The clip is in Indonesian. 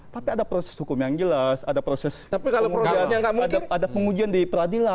tapi ada proses hukum yang jelas ada proses pengujian di peradilan